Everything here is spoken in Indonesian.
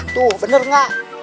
tuh bener gak